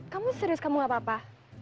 kamu serius kamu gak apa apa